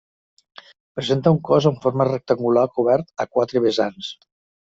Presenta un cos amb forma rectangular cobert a quatre vessants.